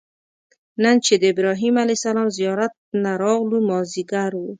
نن چې د ابراهیم علیه السلام زیارت نه راغلو مازیګر و.